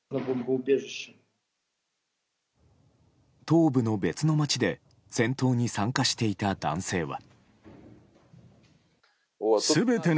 東部の別の街で戦闘に参加していた男性は。